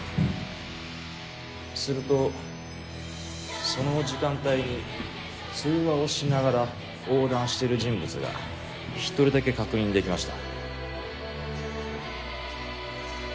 するとその時間帯に通話をしながら横断してる人物が１人だけ確認できました。